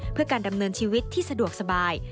เพื่อการดำเนินชีวิตที่สะดวกสบาย